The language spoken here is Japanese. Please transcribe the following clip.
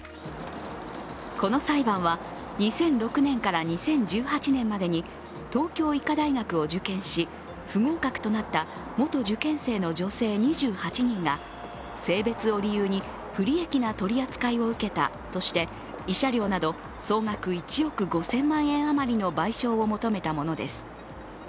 この裁判は２００６年から２０１８年までに東京医科大学を受験し、不合格となった元受験生の女性２８人が性別を理由に不利益な取り扱いを受けたとして慰謝料など総額１億５０００万円余りの賠償を求めたものです。